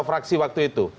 fraksi waktu itu